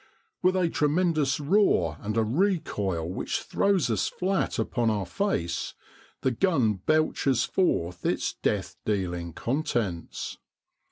With a tremendous roar, and a recoil which throws us flat upon our face, the gun belches forth its death dealing contents.